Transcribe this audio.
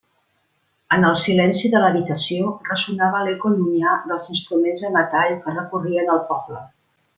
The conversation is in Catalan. En el silenci de l'habitació ressonava l'eco llunyà dels instruments de metall que recorrien el poble.